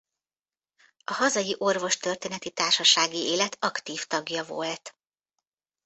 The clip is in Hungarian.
A hazai orvostörténeti társasági élet aktív tagja volt.